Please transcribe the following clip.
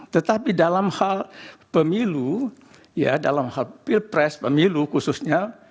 tetapi dalam hal pemilu ya dalam hal pilpres pemilu khususnya